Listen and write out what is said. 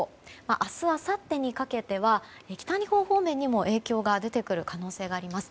明日、あさってにかけては北日本方面にも影響が出てくる可能性があります。